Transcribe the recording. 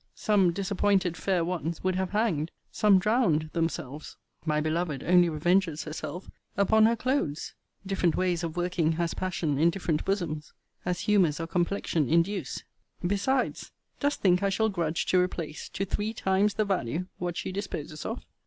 Some disappointed fair ones would have hanged, some drowned themselves. My beloved only revenges herself upon her clothes. Different ways of working has passion in different bosoms, as humours or complexion induce. Besides, dost think I shall grudge to replace, to three times the value, what she disposes of?